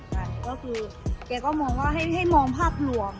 ใช่ก็คือแกก็มองว่าให้มองภาพรวม